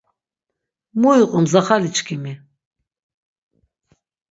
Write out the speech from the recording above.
Mu iqu mzaxaliçkimi?